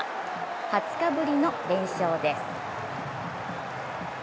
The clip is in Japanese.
２０日ぶりの連勝です。